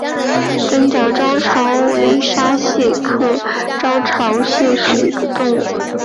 三角招潮为沙蟹科招潮蟹属的动物。